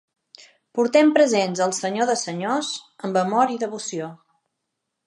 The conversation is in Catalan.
Portem presents al Senyor de senyors amb amor i devoció.